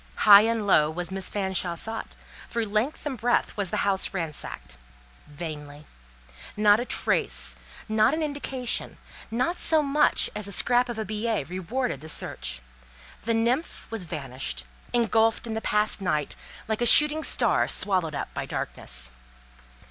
High and low was Miss Fanshawe sought; through length and breadth was the house ransacked; vainly; not a trace, not an indication, not so much as a scrap of a billet rewarded the search; the nymph was vanished, engulfed in the past night, like a shooting star swallowed up by darkness.